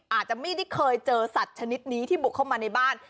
อาจจะไม่ได้เคยเจอสัตว์ชนิดนี้ที่บุกเข้ามาในบ้าน